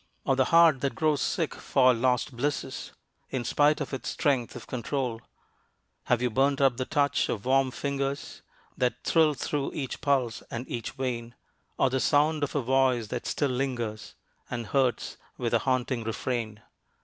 Or the heart that grows sick for lost blisses In spite of its strength of control? Have you burned up the touch of warm fingers That thrilled through each pulse and each vein, Or the sound of a voice that still lingers And hurts with a haunting refrain?